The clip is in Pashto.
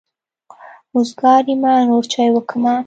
وزګاره يمه نور چای وکمه.